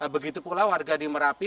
begitu pula warga di merapi